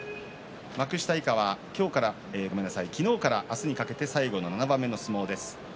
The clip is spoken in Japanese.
幕下以下は昨日から明日にかけて最後７番目の相撲です。